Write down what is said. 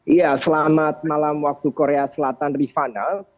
iya selamat malam waktu korea selatan rifana